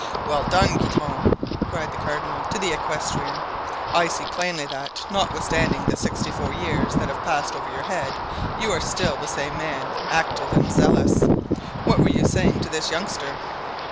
"Well done, Guitant," cried the cardinal to the equestrian; "I see plainly that, notwithstanding the sixty four years that have passed over your head, you are still the same man, active and zealous. What were you saying to this youngster?"